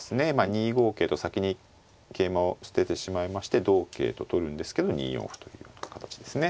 ２五桂と先に桂馬を捨ててしまいまして同桂と取るんですけど２四歩という形ですね。